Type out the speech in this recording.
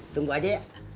tunggu aja ya